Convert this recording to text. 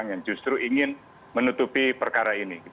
masih di inter guardian career